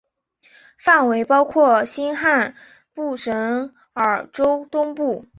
范围包括新罕布什尔州东部。